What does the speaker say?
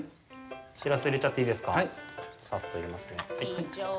シラス、入れちゃっていいですか？